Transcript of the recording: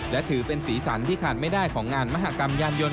และถือเป็นสีสันที่ขาดไม่ได้ของงานมหากรรมยานยนต